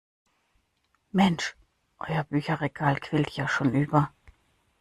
Mensch, euer Bücherregal quillt ja schon über.